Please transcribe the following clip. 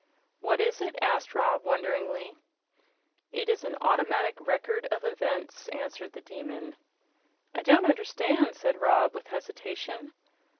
"What is it?" asked Rob, wonderingly. "It is an automatic Record of Events," answered the Demon. "I don't understand," said Rob, with hesitation.